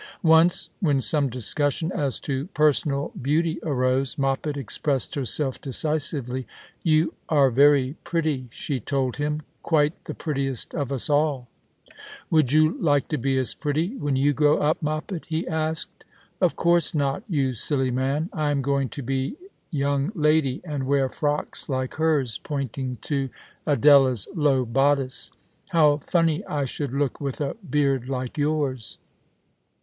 Once when some discussion as to personal beauty arose, Moppet expressed herself decisively. "You are very pretty," she told him, "quite the prettiest of us all !"" Would you like to be as pretty when you grow up, Moppet ?" he asked. " Of course not, you silly man. I am going to be a young lady, and wear frocks like hers," pointing to Adela's low bodice. " How funny I should look with a beard like yours